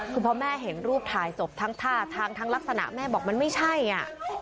คือพอแม่เห็นรูปถ่ายศพทั้งท่าทางทั้งลักษณะแม่บอกมันไม่ใช่อ่ะ